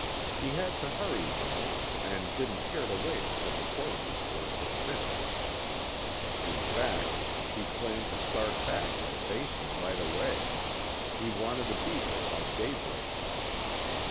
He had to hurry though, and didn't care to wait until the coroner's work was finished. In fact, he planned to start back for the Basin right away. He wanted to be there by daybreak.